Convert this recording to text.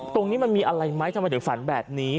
ตรงนี้มันมีอะไรไหมทำไมถึงฝันแบบนี้